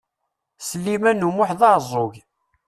Sliman U Muḥ d aɛeẓẓug.